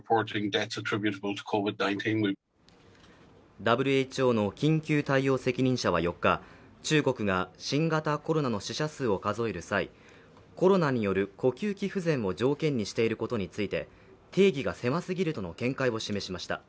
ＷＨＯの緊急対応責任者は４日、中国が新型コロナの死者数を数える際コロナによる呼吸器不全を条件にしていることについて定義が狭すぎるとの見解を示しました。